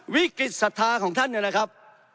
วิกฤตษศาสตร์ของท่านเนี่ยแหละครับ